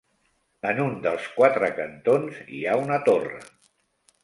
En un dels quatre cantons hi ha una torre.